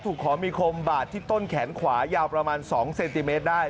ขอมีคมบาดที่ต้นแขนขวายาวประมาณ๒เซนติเมตรได้